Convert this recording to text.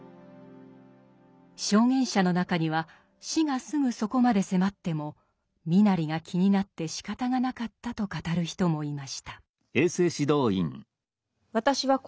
証言者の中には死がすぐそこまで迫っても身なりが気になってしかたがなかったと語る人もいました。